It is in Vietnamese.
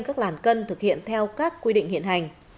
các làn cân thực hiện theo các quy định hiện hành